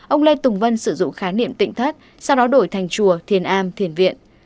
ông lê tùng vân sử dụng khái niệm tỉnh thất sau đó đổi thành chùa thiền a thiền viện